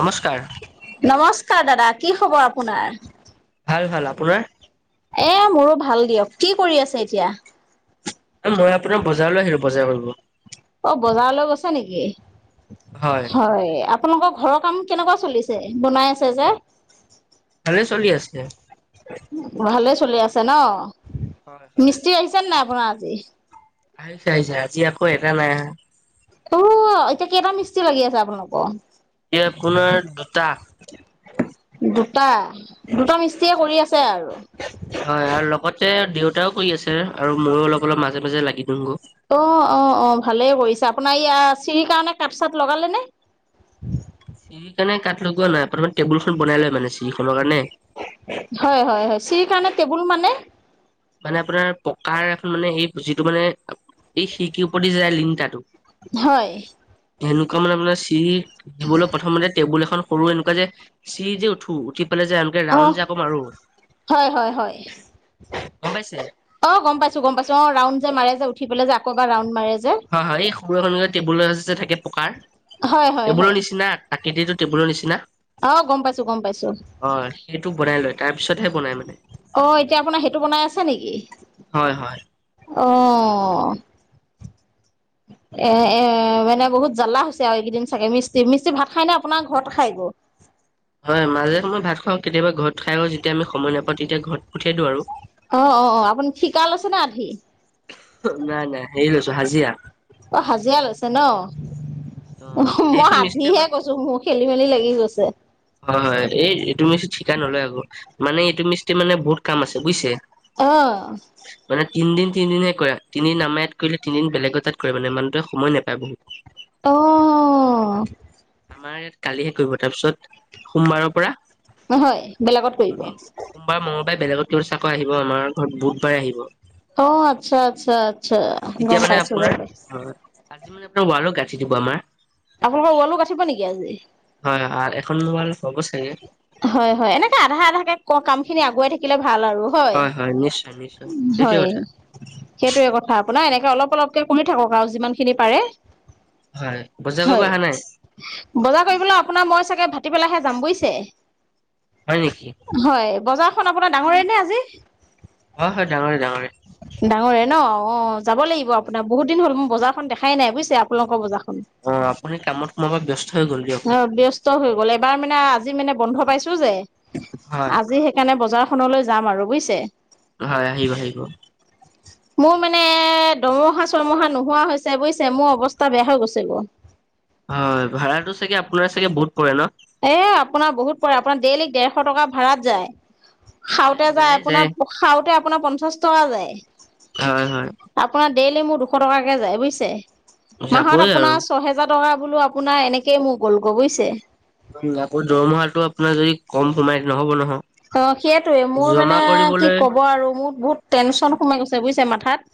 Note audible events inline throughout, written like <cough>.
নমস্কাৰ। নমস্কাৰ দাদা কি খবৰ আপোনাৰ? ভাল ভাল আপোনাৰ? এ মোৰো ভাল দিয়ক কি কৰি আছে এতিয়া? মই আপোনাৰ বজাৰলৈ আহিলো বজাৰ কৰিব। অ বজাৰলৈ গৈছা নেকি? হয়। হয় আপোনালোকৰ ঘৰৰ কাম কেনেকুৱা চলিছে বনাই আছে যে। ভালে চলি আছে। ভালে চলি আছে ন হয় হয় মিস্ত্ৰী আহিছেনে নাই আপোনাৰ আজি? আহিছে আহিছে আজি আকৌ এটা নাই আহা। অ এতিয়া কেইটা মিস্ত্ৰী লাগি আছে আপোনালোকৰ? এতিয়া আপোনাৰ দুটা। দুটা দুটা মিস্ত্ৰীয়ে তাৰপিছত কৰি আছে আৰু। হয় আৰু লগতে দেউতাও কৰি আছে আৰু ময়ো অলপ অলপ মাজে মাজে লাগি দিওঁগো। অ অ অ ভালেই কৰিছে আপোনাৰ ইয়াৰ চিৰি কাৰণে কাঠ -চাট লগালে নে? চিৰি কাৰণে কাঠ লগোৱা নাই প্ৰথম টেবুল খন বনাই লয় মানে চিৰিখনৰ কাৰণে। হয় হয় হয় চিৰি কাৰণে টেবুল মানে? মানে আপোনাৰ পকাৰ এখন মানে এই যিটো মানে এই শিৰিকি ওপৰ দি যায় লিংতাতো। হয়। হেনেকুৱা মানে আপোনাৰ চিৰি দিবলৈ প্ৰথমতে টেবুল এখন সৰু এনেকুৱা যে, চিৰি যে উঠো উঠি পেলাই য আনো, অ হয় হয় হয়। গম পাইছে? অঁ, গম পাইছো গম পাইছো অ ৰাউণ্ড যে মাৰে যে উঠি পেলাই যে আকৌব ৰাউণ্ড মাৰে যে, হয় হয় এই সম শ টেবুলৰ থাকে পকাৰ হয় হয় টেবুলৰ হয় নিচিনা, আকৃতিটো টেবুলৰ নিচিনা। অ গম পাইছো গম পাইছো। অঁ, সেইটো বনাই লয় তাৰ পিছতহে বনাই মানে। অ, এতিয়া আপোনাৰ সেইটো বনাই আছে নেকি? হয় হয় অঁ। এ এ মানে বহুত জ্বালা হৈছে আৰু এইকেইদিন চাগে মিস্ত্ৰী মিস্ত্ৰী ভাত খাই নে আপোনাৰ ঘৰত খাই গৈ? হয় মাজে সময়ই ভাত খাওঁ কেতিয়াবা ঘৰত খাই আ যেতিয়া আমি সময় নাপাওঁ তেতিয়া ঘৰত পঠিয়াই দিওঁ আৰু। অ অ অ আপুনি ঠিকা লৈছে নে আধি? নাই নাই হেৰি লৈছো হাজিৰা। অ হাজিৰা লৈছে ন? অ এইটো মই মিস্ত্ৰী আকৌ আধিহে কৈছো মোৰ খেলি মেলি লাগি গৈছে। হয় হয় এইটো মিস্ত্ৰী ঠিকা নলয় আগৌ মানে এইটো মিস্ত্ৰী মানে বহুত কাম আছে বুজিছে। অঁ। মানে তিনিদিন তিনদিনহে কৰে তিনিদিন আমাৰ ইয়াত কৰিলে তিনদিন বেলেগ ৰ তাত কৰে মানে মানুহটোৱে সময় নাপায় বহুত। <unintelligible> অ আমাৰ ইয়াত কালিহে কৰিব তাৰপিছত সোমবাৰৰ পৰা নহয় বেলেগত কৰিব দুদিন সোমবাৰ মংগল বাৰে বেলেগত চাকৰ আহিব আমাৰ ঘৰত বুধবাৰে আহিব অ আচ্ছা আচ্ছা আচ্ছা তেতিয়া গম মানে পাইছো গম আপোনাৰ পাইছো হয় আজি মানে আপোনাৰ ৱালও গাঠি দিব আমাৰ আপোনালোকৰ ৱালো গাঠিব নেকি আজি হয় হয় এখন মোবাইল পাব চাগে হয় হয় এনেকে আধা আধাকে ক কাম খিনি আগুৱাই থাকিলে ভাল আৰু হয় নিশ্চয় নিশ্চয় উম সেইটোৱে হয় কথা সেইটোয়ে কথা আপোনাৰ এনেকে অলপ অলপকে পঢ়ি থাকক আৰু যিমান খিনি পাৰে হয় বজাৰ কৰিব হয়। অহা নাই বজাৰ কৰিবলে আপোনাৰ মই চাগে ভাটি বেলাহে যাম বুজিছে হয় নেকি হয় বজাৰখন আপোনাৰ ডাঙৰে নে আজি হয় হয় ডাঙৰে ডাঙৰে ডাঙৰে ন অ যাব লাগিব আপোনাৰ বহুত দিন হ'ল মোৰ বজাৰ খন দেখাই নাই বুজিছে আপোনালোকৰ বজাৰখন অ আপুনি কামত সোমোৱা পৰা ব্যস্ত হৈ গ'ল দিয়ক অ ব্যস্ত হৈ গল এইবাৰ মানে আজি মানে বন্ধ পাইছো যে আজি হয় সেইকাৰণে সেইকাৰণে বজাৰখনলৈ যাম আৰু বুজিছে হয় আহিব আহিব <unintelligible> মোৰ মানে এ দৰমহা চৰমহা নোহোৱা হৈছে বুজিছে মোৰ অৱস্থা বেয়া হৈ গৈছে ক হয় ভাড়াতো চাগে আপোনাৰ চাগে বহুত পৰে ন এ আপোনাৰ বহুত পৰে আপোনাৰ ডেইলী ডেৰশ টকা ভাড়াত যায় খাওঁতে যায় আপোনাৰ খাওঁতে আপোনাৰ পঞ্চাশ টকা যায় হয় হয় আপোনাৰ ডেইলি মোৰ দুশ টকাকে যায় বুজিছে মাহত যাবই আৰু আপোনাৰ ছহেজাৰ ছহেজাৰ টকা বোলো আপোনাৰ এনেকে মোক গ'ল গৈ বুজিছে উম আকৌ দৰমহাটো আপোনাৰ যদি কম সোমায় নহ'ব নহয় অ সেইটোৱে মোৰ মানে জমা কি কৰিবলৈ ক'ব আৰু মোৰ বহুত টেনচন সোমাই গৈছে বুজিছে মাথাত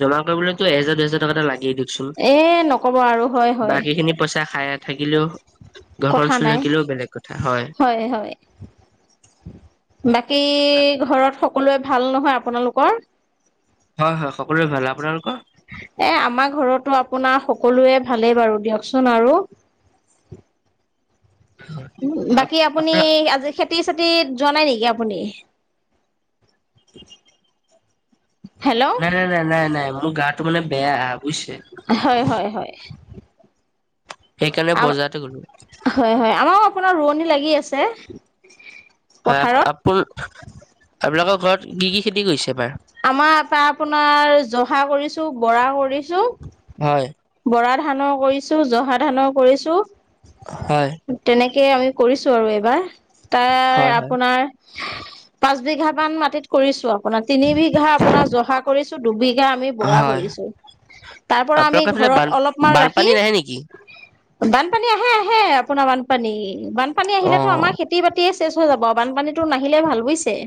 জমা কৰিবলৈতো এহাজাৰ দুহাজাৰ টকা এটা লাগেই চোন এ নকব আৰু হয় হয় বাকী খিনি পইচা খাই থাকিলেও কথা ঘৰখন চলি নাই থাকিলেও বেলেগ কথা হয় বাকী ঘৰত সকলোৱে ভাল নহয় আপোনালোকৰ হয় হয় সকলোৱে ভাল আপোনালোকৰ এ আমাৰ ঘৰতো আপোনাৰ সকলোৱে ভালেই বাৰু দিয়কচোন আৰু হয় বাকী আপুনি আজি খেতি চেতিত যোৱা নাই নেকি আপুনি হেল্ল নাই নাই নাই নাই নাই মোৰ গাটো মানে বেয়া বুজিছে হয় হয় হয় সেইকাৰণে আম বজাৰতে গলো হয় হয় আমাৰ আপোনাৰ ৰোৱনী লাগি আছে হয় আ পথাৰত আপোন আপোনালোকৰ ঘৰত কি কি খেতি কৰিছে এইবাৰ আমাৰ এটা আপোনাৰ জহা কৰিছো, বৰা কৰিছো। হয়। বৰা ধানো কৰিছো, জহা ধানো কৰিছো। হয়। তেনেকে আমি কৰিছো আৰু এইবাৰ তাৰ হয় হয় আপোনাৰ পাঁচ বিঘা মান মাটিত কৰিছো। আপোনাৰ তিনি বিঘা আপোনাৰ জহা কৰিছো দুবিঘা আমি বৰা হয় কৰিছো। তাৰ পৰা আমি আপোনালোকৰ ফালে বান ঘৰত অলপমান ৰাখি বানপানী নাহে নেকি বানপানী আহে আহে আপোনাৰ বানপানী বানপানী অ', আহিলেতো আমাৰ সেত তি বাতিয়ে চেচ হৈ যাব বানপানীটো নাহিলে ভাল বুজছে।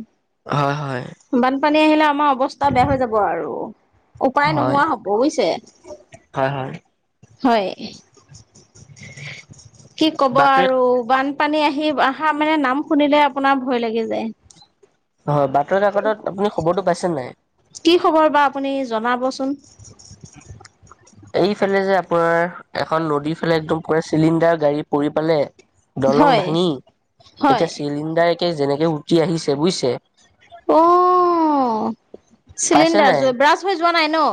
হয় হয়। বানপানী আহিলে আমাৰ অৱস্থা বেয়া হৈ যাব আৰু উপায় হয়, নোহোৱা হ'ব বুজিছে। হয় হয়। হয়, কি কব বাতৰি আৰু বান- পানী আহি আহা মানে নাম শুনিলে আপোনাৰ ভয় লাগি যায়। হয় বাতৰি-কাকতত আপুনি খবৰটো পাইছে নাই? কি খবৰ বা আপুনি জনাবচোন? এইফালে যে আপোনাৰ এখন নদীৰ ফালে একদম পুৰা চিলিণ্ডাৰ গাড়ী পৰি পালে দলং হয় ভাঙি হয় এতিয়া চিলিণ্ডাৰ একে যেনেকে উঠি আহিছে বুজিছে। অ পাইছে চিলিণ্ডাৰ ব্ৰাছ হৈ যোৱা নাই ন?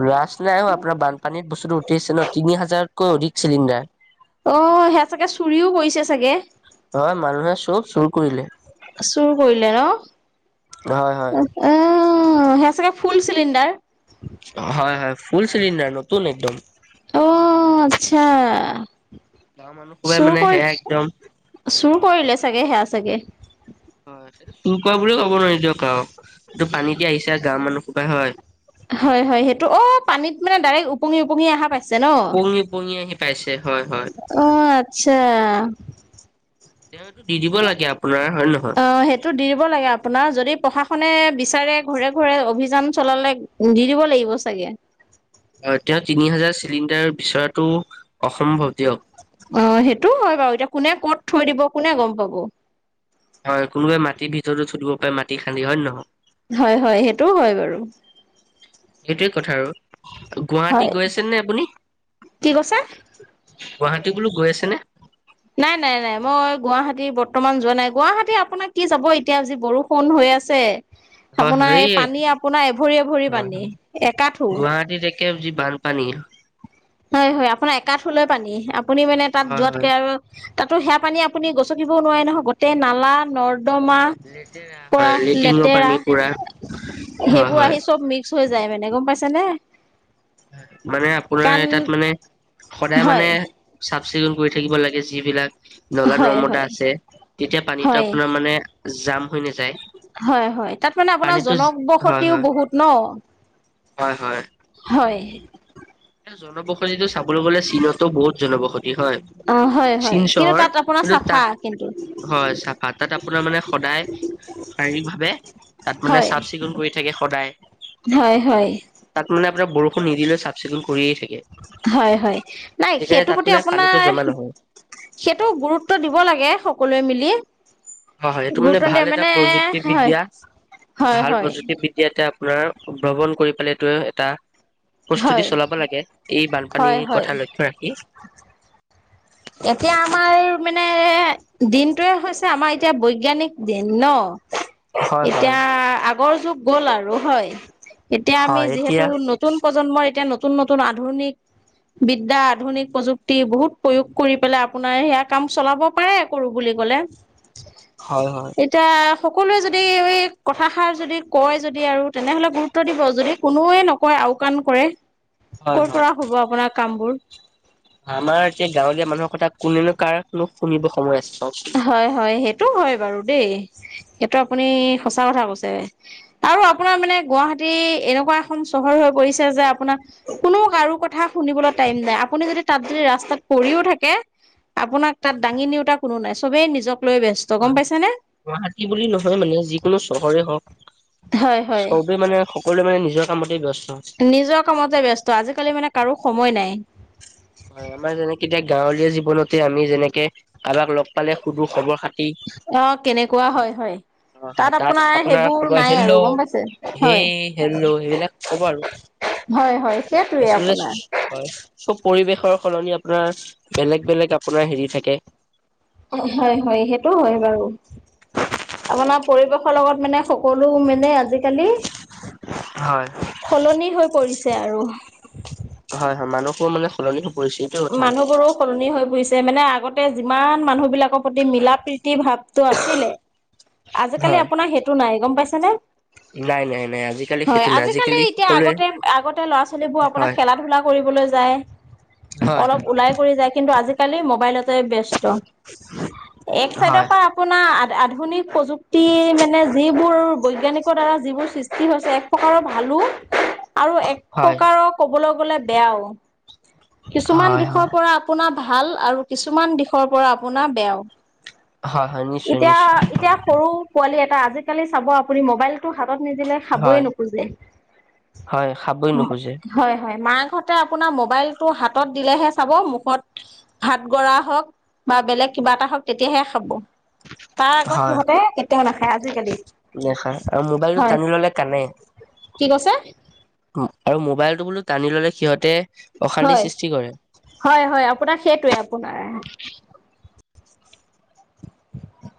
ব্ৰাছ নাই হোৱা আপোনাৰ বানপানীত বস্তুটো উঠিছে ন তিনি হাজাৰতকৈ অধিক চিলিণ্ডাৰ। অ সেয়া চাগে চুৰিও কৰিছে চাগে। হয় মানুহে চব চুৰ কৰিলে। চুৰ কৰিলে ন হয়, হয়, আহ সেই চাগে ফুল চিলিণ্ডাৰ হয় হয় ফুল চিলিণ্ডাৰ নতুন একদম। অ আত্চ্ছা গাঁৱৰ মানুহ সোপাই চুৰ মানে কৰ সেয়া একদম চুৰ কৰিলে চাগে সেয়া চাগে। হয় সেইটো চোৰ কয় বুলি কব নোৱাৰি দিয়ক আও এইটো পানী দি আহিছে গাঁৱৰ মানুহ সোপাই হয়। হয় হয় সেইটো অ পানী মানে ডাইৰেক্ট ওপঙি ওপঙি অহা পাই- ওপঙি পঙি আহি পাইছে হয়। হয় অ আত্চ্ছা তেওঁ এইটো দি দিব লাগে আপোনাৰ হয় নে নহয়? অ সেইটো দি দিব লাগে আপোনাৰ যদি প্ৰশাসনে বিচাৰে ঘৰে ঘৰে অভিযান চলালে দি দিব লাগিব চাগে। অ তেওঁ তিনি হাজাৰ চিলিণ্ডাৰ বিচৰাটো অসম্ভৱ দিয়ক। অ সেইটোও হয় বাৰু এতিয়া কোনে ক'ত থৈ দিব কোনে গম পাব। হয় কোনোবাই মাটিৰ ভিতৰতো থুই দিব পাৰে মাটি খান্দি হয় নে নহয়? হয় হয় সেইটো হয় বাৰু। সেইটোৱে কথা আৰু। গুৱাহাটী হয় গৈ আছে নে আপুনি কি কৈছা? গুৱাহাটী বোলো গৈ আছেনে? নাই নাই নাই মই গুৱাহাটী বৰ্তমান যোৱা নাই গুৱাহাটী আপোনাক কি যাব এতিয়া যি বৰষ- ষুণ হৈ আছে। হয় হয় আপোনাৰ এই পানী আপোনাৰ এভৰি এভৰি পানী একাঠো। কেবজি বানপানী হয় হয় আপোনাৰ একাঠোলৈ পানী আপুনি মানে তাত হয় যোৱাতকে হয় আৰু তাতো সেৱা পানী আপুনি গচকিবও নোৱাৰে নহয় গোটেই নালা নৰ্দমা লেতেৰা পৰা হয় লেট্ৰিনৰ লেতেৰা পানী পুৰা হয় সেইবোৰ হয় আহি চব মিক্স হৈ যায় মানে গম পাইছা নে মানে আপোনাৰ তাত মানে সদায় হয় মানে চাফ চিকুণ কৰি থাকিব লাগে যিবিলাক নলা হয় নৰ্মদা হয় আছে তেতিয়া পানীতো হয় আপোনাৰ মানে জাম হৈ নাযায় হয় হয় তাত মানে আপোনাৰ পানীটো জনক হয় বসতিও হয় বহুত ন হয় হয় হয় এ জনবসতিটো চাবলৈ গলে চীনতো বহুত জনবসতি হয় অ হয় হয় চীন কিন্তু চহৰ তাত আপোনাৰ কিন্তু চাফা তাত কিন্তু হয় চাফা তাত আপোনাৰ মানে সদায় শাৰীৰিক ভাৱে তাত মানে হয় চাফ চিকুণ কৰি থাকে সদায় হয় হয় তাত মানে আপোনাৰ বৰষুণ নিদিলেও চাফ চিকু কৰিয়ে থাকে হয় হয় নাই সেইকাৰণে সেইটোৰ তাত প্ৰতি মানে পানীটো আপোনাৰ জমা নহয় সেইটো গুৰুত্ব দিব লাগে সকলোৱে মিলি হয় হয় এইটো মানে গুৰুত্ব ভাল দিয়ে এটা হয় প্ৰযুক্তিবিদ্যা হয় ভাল হয় প্ৰযুক্তিবিদ্ ইয়াতে আপোনাৰ ভ্ৰমণ কৰি পালে তো এটা প্ৰস্তুতি হয় চলাব লাগে এই হয় বানপানীৰ হয় কথা লক্ষ্য ৰাখি এতিয়া আমাৰ মানে দিনটোৱে হৈছে আমাৰ এতিয়া বৈজ্ঞানিক দিন ন। হয় হয় এতিয়া আগৰ যুগ গল আৰু হয় এতিয়া আমি হয় যিহেতু এতিয়া নতু নতুন প্ৰজন্মৰ এতিয়া নতুন নতুন আধুনিক বিদ্যা আধুনিক প্ৰযুক্তি বহুত প্ৰয়োগ কৰি পেলাই আপোনাৰ সেয়া কাম চলাব পাৰে কৰো বুলি ক'লে। হয় হয়। এতিয়া সকলোৱে যদি এই কথাষাৰ যদি কয় যদি আৰু তেনেহ'লে গুৰুত গুত্ব দিব যদি কোনোৱে নকয় আওকাণ কৰে হয় ক হয় পৰা হব আপোনাৰ কাম বোৰ। আমাৰ এতিয়া গাঁৱলীয়া মানুহৰ কথা কোনেনো কাৰনো শুনিব সময় আছে। চাওকচোন। হয় হয় সেইটো হয় বাৰু দেই সেইটো আপুনি সঁচা কথা কৈছে। আৰু আপোনাৰ মানে গুৱাহাটী এনেকুৱা এখন চহৰ হৈ পৰিছে যে আপোনাৰ কোনো কাৰো কথা শুনিবলৈ টাইম নাই আপুনি যদি তাত যদি ৰাস্তাত পৰিও থাকে আপোনাক তাত দাঙি নিওতা কোনো নাই চবেই নিজক লৈ ব্যস্ত গম হয় পাইছেনে গুৱাহাটী বুলি নহয় মানে যিকোনো চহৰে হওক হয় হয় চবেই মানে সকলোৱে মানে নিজৰ কামতে ব্যস্ত নিজৰ কামতে ব্যস্ত আজিকালি মানে কাৰো সময় নাই। হয় আমাৰ যেনেকে এতিয়া গাৱলীয়া জীৱনতে আমি যেনেকে কাবাক লগ পালে সুধো খবৰ খা অ', কেনেকুৱা হয় হয়। অ', হয় তাত আপোনাৰ সেইবোৰ কব নাই আৰু হেল্লো গম পাইছে হয় হেই হেল্লো সেইবিলাক ক'ব আৰু। হয় হয় সেইটোৱে আচলতে আপোনাৰ। হয় চব পৰিৱেশৰ সলনি আপোনাৰ বেলেগ বেলেগ আপোনাৰ হেৰি থাকে। হয় হয় সেইটো হয় বাৰু। <unintelligible> আপোনাৰ পৰিৱেশৰ লগত মানে সকলো মানে আজিকালি হয়। সলনি হৈ পৰিছে আৰু। হয় হয় মানুহো মানে সলনি হৈ পৰিছে এইটোৱে কথা। মানুহবোৰো সলনি হৈ পৰিছে মানে আগতে যিমান মানুহ বিলাকৰ প্ৰতি মিলা প্ৰীতি ভাৱটো আছিলে আজিকালি হয়। আপোনাৰ সেইটো নাই গম পাইছে নে। নাই নাই নাই আজিকালি সেইটো হয় নাই আজিকালি এতিয়া সকলোৱে হয়। আগতে আগতে লৰা ছোৱালীবোৰ হয় আপোনাৰ খেলা ধূলা কৰিবলৈ যায়। হয়। অলপ ওলাই কৰি যায় কিন্তু আজিকালি মোবাইলতে ব্যস্ত এক চাইডৰ হয় পা আপোনাৰ আ আধুনিক প্ৰযুক্তি মানে যিবোৰ বৈজ্ঞানিকৰ দ্বাৰা যিবোৰ সৃষ্টি হৈছে এক- প্ৰকাৰৰ ভালো আৰু এক হয় প্ৰকাৰৰ ক'বলৈ গ'লে বেয়াও। কিছুমান হয় দিশৰ পৰা আপোনাৰ ভাল আৰু কিছুমান দিশৰ পৰা আপোনাৰ বেয়াও। হয় হয় নিশ্চয় ইতিয়া নিশ্চয় ইতিয়া সৰু পোৱালী এটা আজিকালি চাব আপুনি মোবাইলটো হাতত নিদিলে খাবই হয় নোখোজে হয় খাবই নোখোজে। হয় হয় মাকহঁতে আপোনাৰ মোবাইল টো হাতত দিলেহে চাব মুখত ভাত গৰা হওক বা বেলেগ কিবা এটা হওক তেতিয়াহে খাব। তাৰ আগত সিহঁতে কেতিয়াও নাখায় আজিকালি। নাখাই আৰু মোবাইলটো হয় টানি ললে কানে। কি কৈছে? আৰু মোবাইলটো বোলো টানি ললে সিহঁতে অশান্তি হয় সৃষ্টি কৰে। হয় হয় আপোনাক সেইটোৱে আপোনাৰ।